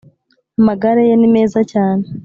amagare ye nimeza cyane